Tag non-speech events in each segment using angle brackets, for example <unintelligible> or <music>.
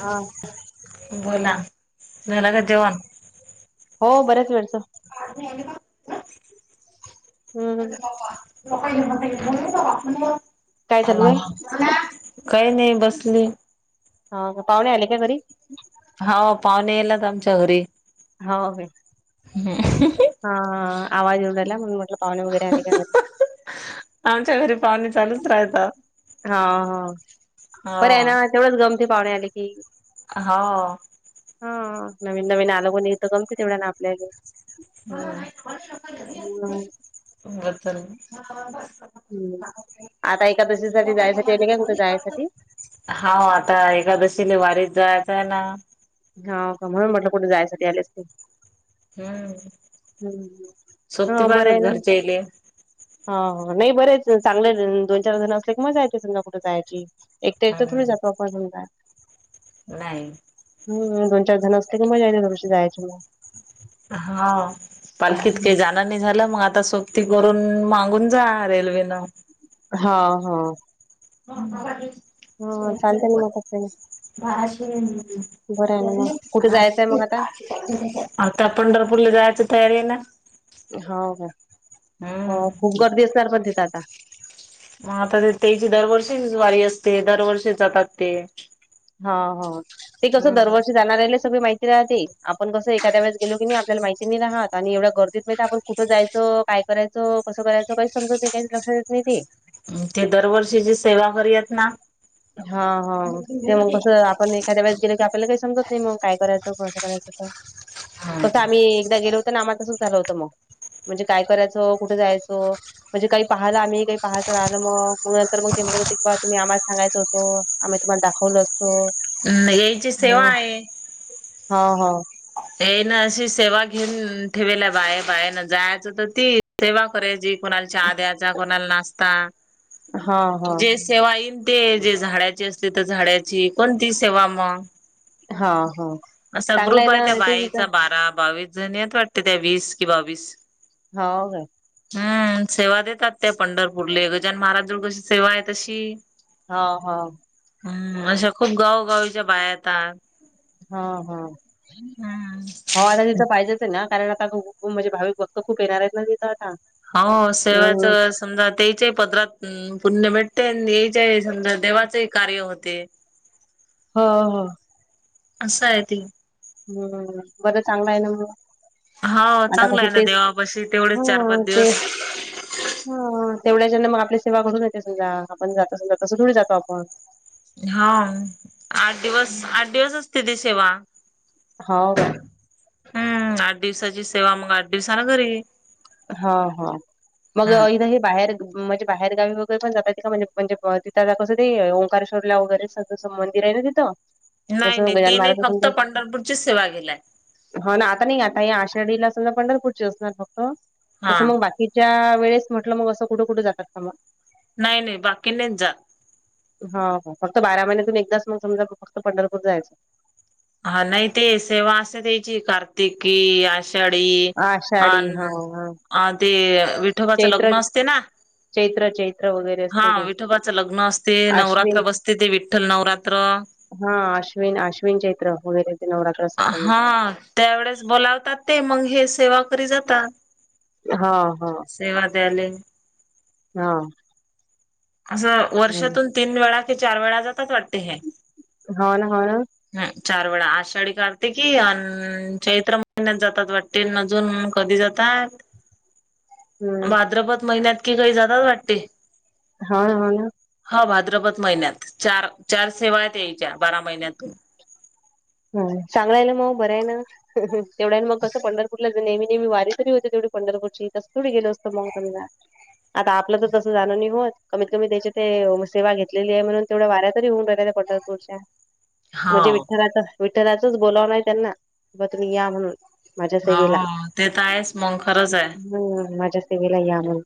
हा बोला, झालं का जेवाण? हो बरेच वेळचं. आ का <unintelligible> हम्म थांब काय चालू न आहे <unintelligible> काही नाही बसली. हा का पाहुणे आले काय घरी? हाव पाहुणे येल आमच्या घरी. हाव. हम्म <unintelligible> हा आवाज येऊन राहिला. म्हणून म्हटलं पाहुणे वगैरे आले का घरी. आमच्या घरी पाहुणे चालूच राहतात. हा हा बर आहे ना. तेवढच गमते पाहुणे आले की. हो. हा नवीन नवीन आल कोणीतर गमते तेवढ्यान आपल्याले. हो हम्म बस झाल न. हम्म, आता एकादशीसाठी जायसाठी आले काय? कुठे जायसाठी? हाव आता एकादशील वारीत जायच आहे ना. हाव का म्हणून म्हटलं कुठे जायसाठी आलेत. हम्म हम्म सोबती बरं आहे पाहिजेत ना घरच्यायले. हा हा नाही बरेच. चांगले दोन चार जण असले की मजा येते सग कुठे जायची. एकट एकट थोडी कुठे हम्म जातो आपण समजा. नाही. हम दोन चार जण असले की मजा येते थोडीशी जायची मग. हाव पालखीत काय हा जात ण नाही झालं मग आता सोबती करून मागून जा रेल्वेनं. हा, हा. ह <unintelligible> हा चालतेना मग तसही बाराशे मग त्यातले कुठे आणि जायचंय आठशे मग आता? टाकले त्यांच्यात. आता पंढरपूरला जायची तयारी आहे ना. हाव का हो हम्म खूप गर्दी असणार पण तिथे आता? म आता ते त्याची दरवर्षीच वारी असते दरवर्षीच जातात ते. हाव, हाव ते कसं दरवर्षी हम्म जाणाऱ्याले सगळी माहिती ती राहते आपण कस एखाद्या वेळेस गेलो की नाही आपल्याला माहिती नी राहात आणि एवढ्या गर्दीत माहिती आपण कुठं जायच, काय करायचं कस, करायचं काही समजत नाही काही लक्षात येत नाही ते. ते दरवर्षीचे सेवा करी आहेत ना. हा, हाव ते मग कस आपण एक एखाद्या वेळेस गेल की आपल्याला काही समजत नाही मग काय कराच, कसं करायच, त कसं आम्ही एकदा गेलो होत ना आम्हला तसंच झालं होतं मग, म्हणजे काय करायचं? कुठे जायचं? म्हणजे काही पाहाल आम्ही काही पाहायचं राहिल म नंतर ते म्हणत होते की बा तुम्ही आम्हा सांगायच होतो आम्ही तुम्हाला दाखवलो असत. हम्म येची सेवा आहे. हा हा. ते ना अशी सेवा घेऊन ठेवेला बाय, बायान बाहे ना जायचं तर ते सेवा कराची कोणाला चहा द्यायचा, कोणाला नाष्टा, हा हा सेवा येन ते जे झाडाची असली की ते झाडाची कोणतीही सेवा मग. हा हा चांगलं आहे ना ते कायच तिथं बारा बावीस जण आहेत वाटते ते वीस की बावीस. हाव काय. हम्म सेवा देतात त्या पंढरपूरले गजाजन महाराज जवळ कशी सेवा आहे तशी. हाव, हाव. हम्म अशा खूप गावगावीच्या बाया येतात. हा, हा, हम्म. हो आता तिथं पाहिजे ना कारण आता म्हणजे भाविक भक्त खूप येणार आहेत ना तिथं आता. होव सेवाच हम्म समजा तेचे ही पदरात पुण्य भेटते आणि याचे समजा देवाचेही कार्य होते. हो हो. असं आहे ते. हम्म, बर चांगलं आहे ना मग. हाव आता चांगला कसं आहे ना तेच देवापाशी हा तेवढेच चार, पाच ते दिवस. हा तेवढ्या च्यान मग आपली सेवा घडून जाते समजा आपण जात समजा तसं थोडी जातो आपण. हा, आठ दिवस, आठ दिवस असते ती सेवा. हाव काय? हम्म, आठ दिवसाची सेवा मग आठ दिवसानं घरी. हा हा. मग हम्म. इथे हे बाहेर म्हणजे बाहेर गावी वगैरे पण जाता येतं का? म्हणजे म्हणजे तिथ आता कसं ते ओमकारश्वरला वगैरे सगे संबंधी राहिते तिथ नाही, नाही ते नाही फक्त पंढरपूरचीच सेवा केलाय. ह ना आता नाही आता या आषाढीला समजा पंढरपुरची असणार फक्त हा तसं मग बाकी च्या वेळेस म्हटलं मग असं कुठे, कुठे जातात का मग? नाही, नाही बाकी नाही जात. हा हो फक्त बारा महिन्यातून एकदाच मग समजा फक्त पंढरपूर जायच. हा नाही ते सेवा असी द्यायची कार्तिक की आष् आषाढी आषाढी हा हा अन ते विठोबाचं चैत्र लग्न असते ना चैत्र, चैत्र वगैरे. हा असते ते विठोबाचं लग्न असते, नवरात्र अश्विन बसते, ते विठ्ठल नवरात्र. हा, अश्विन - अश्विन चैत्र वगैर नवरा हा त्या वळेस बोलावतात ते. मग हे सेवाकरी जातात. हा, हा. सेवा द्यायले हा. असं. हम्म वर्षातून तीन वेळा ते चार वेळा जातात वाटतं, हे. हो ना. हो ना. हा चार वेळा. आषाढी - कार्तिकी अन् चैत्र महिन्यात जातात वाट ते न अजून कधी जातात? <inaudible> हम्म भाद्रपद महिन्यात कि, काही जातात वाटते. हो ना. हो ना. हो भाद्रपद महिन्यात. चार - चार सेवा आहेत याच्या. बारा महिन्यातून. ह. चांगलाय न मग. बरंय न. <unintelligible> तेवढ्यान मग कसं पंढर पुरला नेहमी- नेहमी वारी तरी होते, तेवढी पंढरपुरची. तसं थोडी गेलो असतो मग वारीला. आता आपलं तर तसं जाणं नाही होत. कमीत- कमी त्याची ते सेवा घेतलेली आहे. म्हणून तेवढ्या वाऱ्या तरी होऊन राहिल्या, त्या पंढर पुरच्या. म्हणजे हाव विठ्ठलाच, विठ्ठलाचच बोलावण आहे. त्यांना, की बा तुम्ही या म्हणून. माझ्या हा, सेवेला हो. ते तर आहेस, मंग खरचय. हम्. माझ्या सेवेला या म्हणून.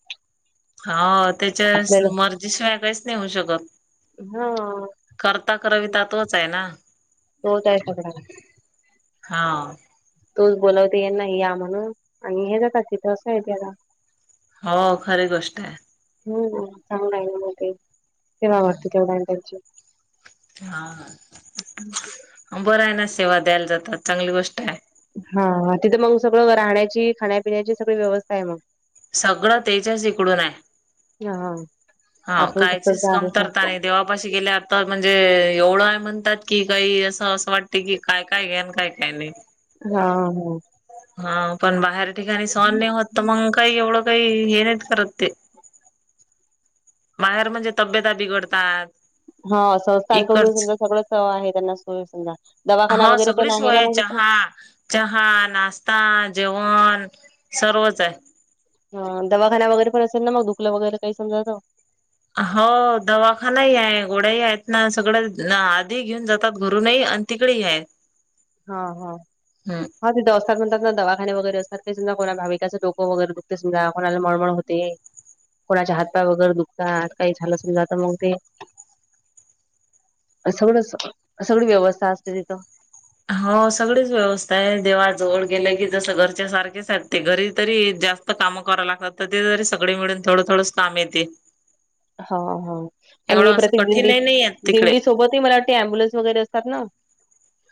हा. त्याच्या आपल्याला स मर्जीशिवाय, काहीच नाही होऊ शकत. हा करता - करवीता तोचय ना. तोचाय सगळ्याला. हा. तोच बोलावते यांना या म्हणून. आणि हे जातात तिथं. असंय, ते आता. हो, खरी गोष्टय. हम्, चांगलाय ना म ते. सेवा वाढते, तेवढ्यान त्यांची. हा. बराय ना. सेवा द्यायला जातात. चांगली गोष्टाय. हा, तिथं मग सगळं राहण्याची, खाण्यापिण्याची, सगळी व्यवस्थाय मग. सगळं तेज्याच इकडूनाय. या हा. हा. आपण फक्त काहीचीच जागेचा कमतरता नाही. देवापाशी गेल्याव तर म्हणजे एवढय. म्हणतात की, काही असं - असं वाटते की काय - काय घ्या अन् काय - काय नाही. हा, ह. हा पण बाहेर ठिकाणी सहन नाही होत. तर मग काही एवढं, काही हे नाहीत करत ते. बाहेर म्हणजे तब्यता बिघडतात. हा संस्थांकडून इकडच समजा सगळं स आहे, त्यांना सोय समजा. दवाखाना हो वगैरे पण सगळी आहे सोय ना मग तिथं. चहा चहा, नाश्ता, जेवण, सर्वचय. ह. दवाखाना वगैरे पण असेल ना. मग दुकलं वगैरे काही समजां तर. हो, दवाखानाही आहे. गोड्याही आहेत, ना. सगळं आधी घेऊन जातात, घरूनही. तिकडेही यायत. हा, हा. हा तीथं असतात म्हणातात ना, दवाखाने वगैरे असतात. काही समजा कोणा भाविकाच डोकं वगैरे दुखते समजा. कोणाला मळमळ होते. कोणाच्या हातपाय वगैरे दुखतात. काही झालं समजा तर मग ते सगळंच, सगळी व्यवस्था असते तिथं. हो सगळीच व्यवस्थाय. देवाजवळ गेलं की, जस घरच्या सारखेच आहेत. ते घरी तरी जास्त काम कराव लागतात. ते तरी सगळे मिळून थोडं - थोडं काम येते. हा, हा. आणि हे एवढं असं प्रत्येक दिंडी कठीणही नाही आहेत - तिकडे. दिंडी सोबतही मला वाट ते, अम्बुलन्स वगैरे असतात ना.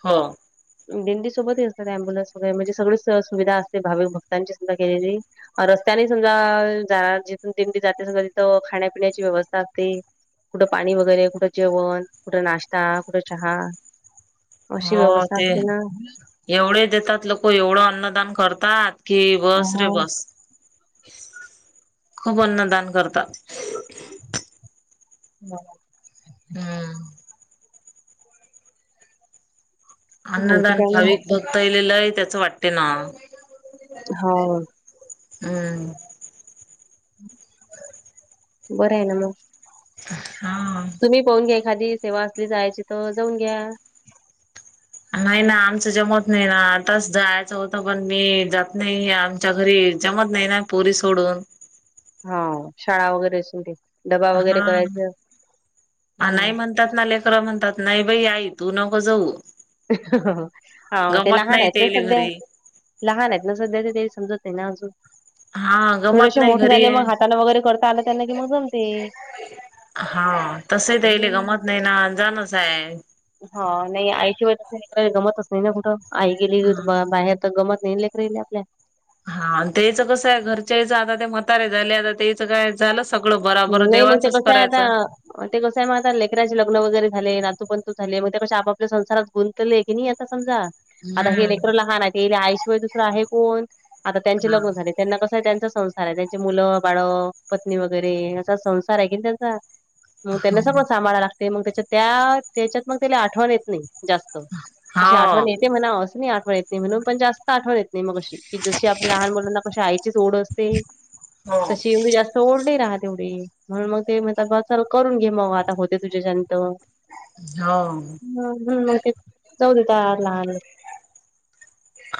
हो. दिंडी सोबतही असतात, अम्बुलन्स वगैरे. म्हणजे सगळी स सुविधा असते. भाविक भक्तांची सुद्धा केलेली. रस्त्यानि समजा जाणार जिथून दिंडी जाते समजा तिथं खाण्यापिण्याची व्यवस्था असते. कुठं पाणी वगैरे, कुठं जेवण. कुठं नाश्ता, कुठं चहा. अशी हो व्यवस्था ते आहे. असते ना एवढे देतात लोक. एवढं अन्नदान करतात. कि बस रे हा बस. खूप अन्नदान करतात. <unintelligible> हम. आणखी अन्नदान. काय मग भाविक भक्तायले लई त्याच वाटते ना? हाव. हम्म. बरंय ना मग. हा. तुम्ही पाहून घ्या एखादी सेवा असली जायची तर जाऊन घ्या. नाही ना आमचं जमत नाही ना. आताच जायाचं होतं पण मी जात नाही आ- च्या घरी जमत नाही ना पोरी सोडून. हो. शाळा वगैरे सुरु. डबा वगैरे करायचा. हा हा. त्यातन लेकर म्हणतात. नाही बाई आई तू नको जाऊ. हा. ते गमत लहान नाही आहेत ना तेले सध्या? घरी लहान आहेत ना सध्या? ते काही समजत नाही ना अजून. हा. गमत थोडेसे नाही मोठे झाले. घरी मग हातानं वगैरे करता आलं त्यांना की मग जमते. हा. तसही त्यांले हम्म. जमत नाही ना? जाणच आहे. हा. नाही आईची वेळ <unintelligible> जमतच नाही ना कुठं. आई गेलेली बाहेर. जमत नाही ना लेकरायले आपल्या. हा. त्येनंच कसं आहे? घरच्याईच आता ते म्हतारे झाले आता ते- काय झालं सगळं बराबर. नाही मग ते देवाचंच कसं आहे करायचं. आता ते कसं आहे मग आता? लेकराचे लग्न वगैरे झाले. नातूपंतू झाले. मग ते कसे आपल्या संसारात- गुंतले की नाही आता समजा. आता हे लेकर लहान आहे. याले आईशिवाय दुसरं आहे कोण? आता त्यांचे लग्न हम्म झालेत. त्यांना कसय? त्यांचा संसार आहे. त्यांचे मुलं बाळ पत्नी वगैरे. अे असा संसार आहे कि नाही त्यांचा? म त्यांना सगळच सांभाळायला लागतय. ते मग त्याच्या त्या त्याच्यातनं त्याला आठवण येत नाही जास्त. हा तशी आठवण हो येते - ते म्हणा. असं नाही आठवण येत नाही म्हणून. पण जास्त- आठवण येत नाही मग अशी. की जशी आपल्या लहान मुलांना कशी आईचीच ओढ असते. तशी एवढी जास्त- ओढ नाही राहात एवढी. म्हणून मग ते म्हणतात बुवा चल, करून घे मग आता होते तुझ्याच्यानं त. हा. <unintelligible>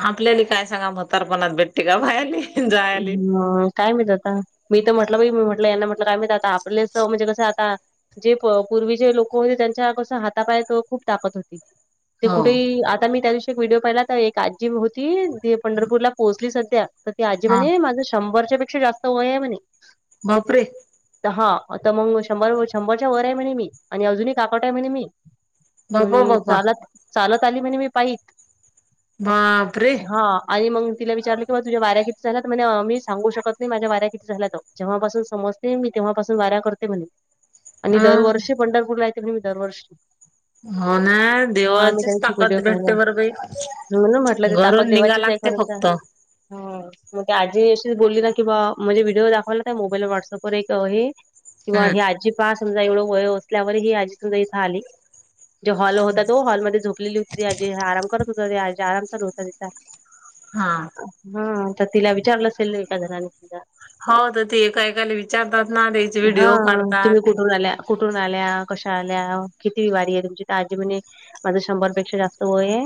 आपल्याले काय सांगाव म्हातारंपणात भेटते काय पाह्यले? हम्. काय माहीत आता? मी तर म्हटलं बाई, मी म्हटलं यांना म्हटलं काय माहीत आता? आपले म्हणजे कसं आता? जे प पूर्वीचे जे लोक होते. त्यांच्या कसं हातापायात खूप ताकत होती. ते हो. कुठेही, आता मी त्या दिवशी एक व्हिडिओ पाहिला. तर एक आजी होती, ती पंढरपूरला पोहोचली सध्या. तर ती आजी हा म्हणे माझं शंभरच्या पेक्षा जास्त वय आहे म्हणे. बापरे! पहा. आता मग शंभर शंभरच्या वर आहे म्हणे मी. आणि अजूनही काकट आहे म्हणे मी. अन बापा बापा चालत, चालत आली म्हणे मी पायी. बापरे! हा. आणि मग तिला विचारलं किवा तुझ्या वाऱ्या किती- झाल्या? तर म्हणे मी सांगू शकत नाही माझ्या वाऱ्या किती झाल्यात? जेव्हापासून समजते मी तेव्हापासून वाऱ्या करते म्हणे. आणि अ दरवर्षी पंढरपूरला येते म्हणे. मी दरवर्षी. हो ना? हा मी त्या देवाचीच दिवशी व्हिडिओ ताकद भेटते पाहिला बरं बाई. म्हणून म्हटलं ते ताकद घरून निघा देवाचीच आहे लागते खरंच, फक्त हा. मग आजी अशी बोलली ना किंवा म्हणजे व्हिडिओ दाखवला त्या मोबाईल व्हॉट्सअपवर एक हे. किंवा हम्म हे आजी पास समझा एवढं वय असल्यावर ही आजी समजा इथं आली. जो हॉल होता तो हॉलमध्येध्ये झोपलेली होती आज आराम करत होता आ आरामचाल होता त्यािचा हा. हा, तर तिला विचारलं असेल ना एका घराने सुद्धा. हो तर ते एका एकाला विचारतात ना त्याचे हा व्हिडिओ काढतात. तुम्ही आल्या कुठून आल्या, कशा आल्या, किती विवारी आहे तुमची तजी म्हणे. माझ शंभरपेक्षा जास्त वय आहे.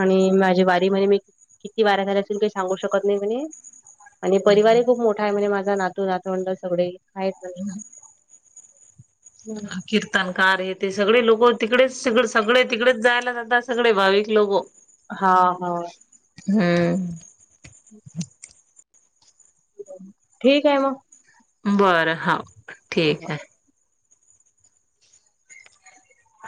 आणि माझी वारी म्हणे मी किती वाऱ्या झाल्या असल काही सांगू शकत नाही म्हणे. आणि परिवार खूप मोठा आहे म्हणजे माझा नातू, नातवंड सगळे आहेत. हम्म. कीर्तनकार हे ते सगळे लोक तिकडेच सळे-सगळे तिकडेच जायला जातात सगळे भाविक लोक. हा हा. हम्म. ठीक आहे मग. बरं हा मग. ठीक आहे.